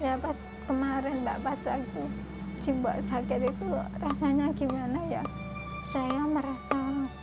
ya pas kemarin bapak saku simbok sakit itu rasanya gimana ya saya merasa